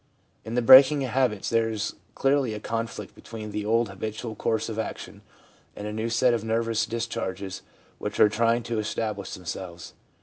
In the breaking of habits there is clearly a conflict between the old habitual course of action and a new set of nervous discharges which are trying to establish themselves.